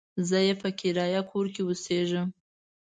زه يې په کرايه کور کې اوسېږم.